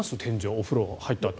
お風呂入ったあと。